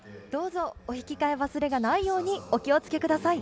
お引き換え忘れがないように、お気をつけください。